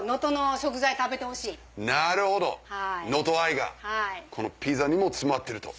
なるほど能登愛がこのピザにも詰まってると。